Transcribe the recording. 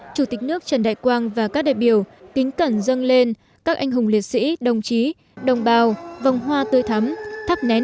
chủ tịch nước trần đại quang và các đại biểu kính cẩn dâng lên các anh hùng liệt sĩ đồng chí đồng bào vòng hoa tươi thắm thắp nén